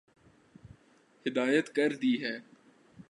ہدایت کردی ہے